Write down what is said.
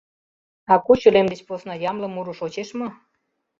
— А кочо лем деч посна ямле муро шочеш мо?